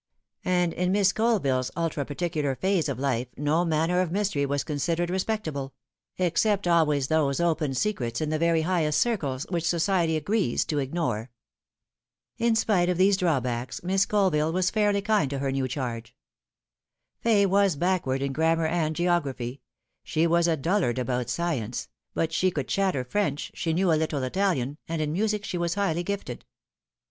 And in Miss Colville's ultra particular phase of life no manner of mystery was considered respectable ; except always those open secrets in the very highest circles which society agrees to ignore. In spite of these drawbacks, Miss Colville was fairly kind to her new charge. Fay was backward in grammar and geography ; she was a dullard about science ; but she could chatter French, phe knew a little Italian, and in music she was highly gifted.